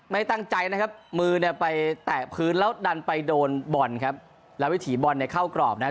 ไม่ตั้งใจนะครับมือเนี่ยไปแตะพื้นแล้วดันไปโดนบอลครับแล้ววิถีบอลเนี่ยเข้ากรอบนะครับ